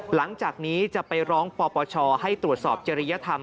หลังจากนี้จะไปร้องปปชให้ตรวจสอบจริยธรรม